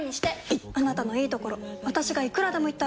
いっあなたのいいところ私がいくらでも言ってあげる！